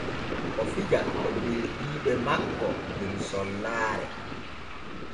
O fija e ɓeldiiɓe makko der sollaare.